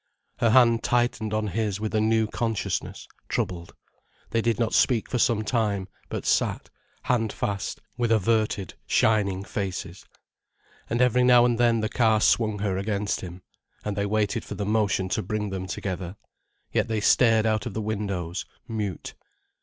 Her hand tightened on his with a new consciousness, troubled. They did not speak for some time, but sat, hand fast, with averted, shining faces. And every now and then the car swung her against him. And they waited for the motion to bring them together. Yet they stared out of the windows, mute.